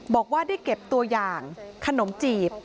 บอกว่าได้เก็บตัวอย่างขนมจีบ